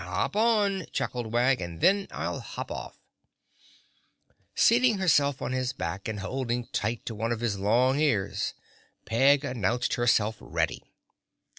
"Hop on," chuckled Wag, "and then I'll hop off." Seating herself on his back and holding tight to one of his long ears, Peg announced herself ready.